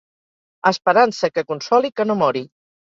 Esperança que consoli, que no mori.